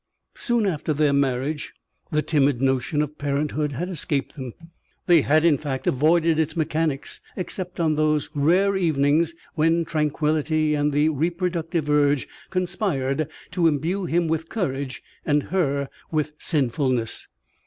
Soon after their marriage the timid notion of parenthood had escaped them. They had, in fact, avoided its mechanics except on those rare evenings when tranquillity and the reproductive urge conspired to imbue him with courage and her with sinfulness.